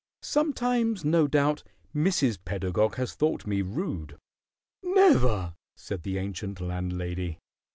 Sometimes, no doubt, Mrs. Pedagog has thought me rude " "Never!" said the ancient landlady.